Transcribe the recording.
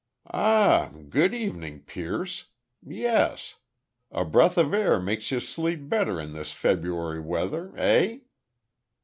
"Ah, good evening, Pierce. Yes. A breath of air makes you sleep better in this February weather, eh?"